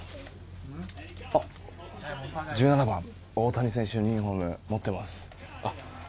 １７番、大谷選手のユニホーム持ってますね。